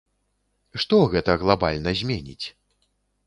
Што гэта глабальна зменіць?